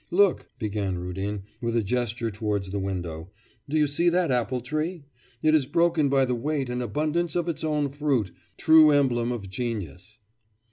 'Look.' began Rudin, with a gesture towards the window, 'do you see that apple tree? It is broken by the weight and abundance of its own fruit. True emblem of genius.